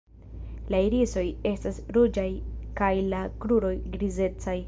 La irisoj estas ruĝaj kaj la kruroj grizecaj.